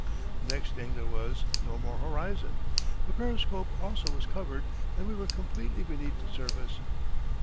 The next thing there was no more horizon. The periscope also was covered and we were completely beneath the surface.